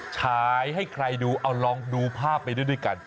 ฉายให้ใครดูเอาลองดูภาพไปด้วยกัน